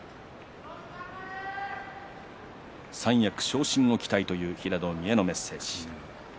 三役昇進を期待という平戸海へのメッセージ。